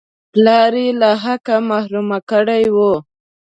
پلار یې له حقه محروم کړی وو.